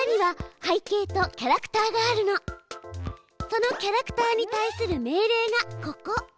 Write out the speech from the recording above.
そのキャラクターに対する命令がここ。